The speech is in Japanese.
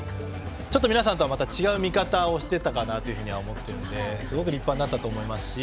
ちょっと皆さんとはまた違う見方をしてたかなというふうに思っているのですごく立派になったと思いますし